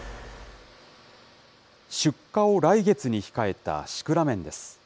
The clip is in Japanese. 出荷を来月に控えたシクラメンです。